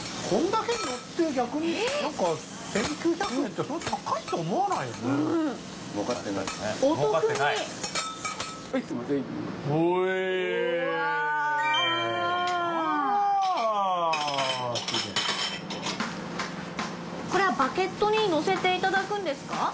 コレはバゲットにのせていただくんですか？